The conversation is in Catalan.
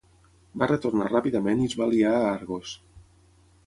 Va retornar ràpidament i es va aliar a Argos.